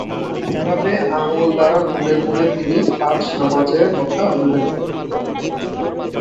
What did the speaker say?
এভাবে আঙ্গুল দ্বারা গুণে গুণে তিনি পাঁচ নামাযের কথা উল্লেখ করেন।